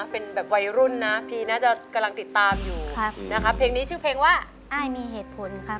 เป็นแบบวัยรุ่นนะพีน่าจะกำลังติดตามอยู่นะครับเพลงนี้ชื่อเพลงว่าอ้ายมีเหตุผลครับ